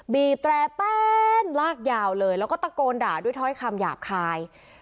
บีบแตรแป้นลากยาวเลยแล้วก็ตะโกนด่าด้วยถ้อยคำหยาบคาย